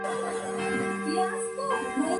Él es de origen grecochipriota y singapurense.